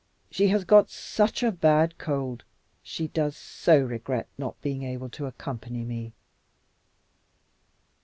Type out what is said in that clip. She has got such a bad cold. She does so regret not being able to accompany me."